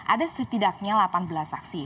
ada setidaknya delapan belas saksi